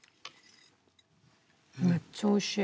めっちゃ美味しい。